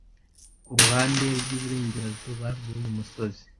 Ku ruhande rw’iburengerazuba rw’uyu musozi